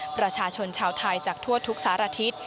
ประชาชนชาวไทยจากทั่วทุกสารทิศ